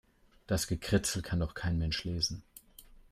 Das Gekritzel kann doch kein Mensch lesen.